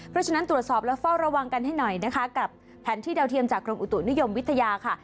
เพราะฉะนั้นตรวจสอบและเฝ้าระวังกันให้หน่อยนะคะกับแผนที่ดาวเทียมจากกรมอุตุนิยมวิทยาค่ะ